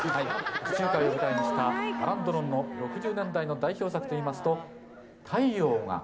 地中海を舞台にしたアラン・ドロンの６０年代の代表作といいますと「太陽が」